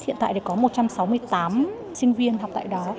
hiện tại thì có một trăm sáu mươi tám sinh viên học tại đó